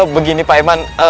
begini pak iman